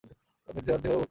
আপনি তার দেহ ভোগ করতে চান।